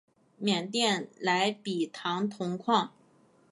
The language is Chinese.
缅甸莱比塘铜矿。